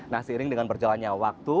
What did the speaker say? nah seiring dengan berjalannya waktu